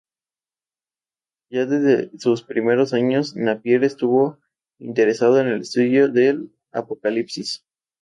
Ya desde sus primeros años Napier estuvo interesado en el estudio del Apocalipsis.